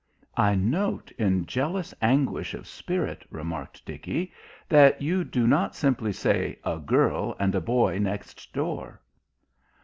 "I note in jealous anguish of spirit," remarked Dickie. "that you do not simply say 'a girl and boy next door.'"